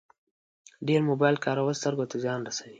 ډېر موبایل کارول سترګو ته زیان رسوي.